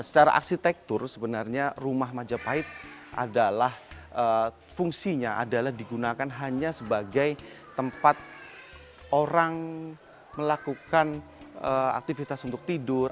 secara arsitektur sebenarnya rumah majapahit adalah fungsinya adalah digunakan hanya sebagai tempat orang melakukan aktivitas untuk tidur